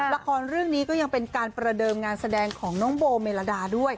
ละครเรื่องนี้ก็ยังเป็นการประเดิมงานแสดงของน้องโบเมลดาด้วย